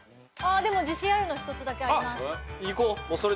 でも自信あるの１つだけあります。